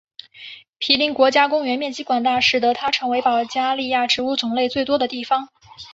皮林国家公园面积广大使得它成为保加利亚植物种类最多的地方。